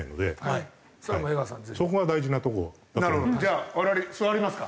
じゃあ我々座りますか。